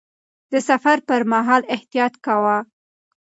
د سفر پر مهال احتياط کاوه.